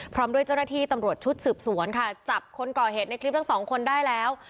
พร้อมด้วยเจ้าหน้าที่ตำรวจชุดสืบสวนค่ะจับคนก่อเหตุในคลิปทั้งสองคนได้แล้ว